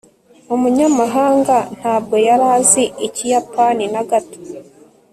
umunyamahanga ntabwo yari azi ikiyapani na gato